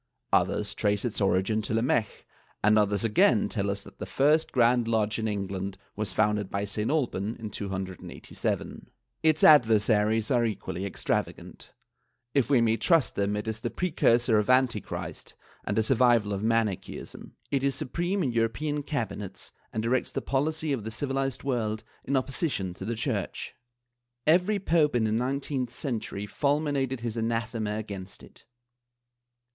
Others trace its origin to Lamech and others again tell us that the first Grand Lodge in England was founded by St. Alban in 287. Its adversaries are equally extrava gant ; if we may trust them it is the precursor of Antichrist and a survival of Manicheism; it is supreme in European cabinets and directs the policy of the civilized world in opposition to the Church. Every pope in the nineteenth century fulminated his anathema against it.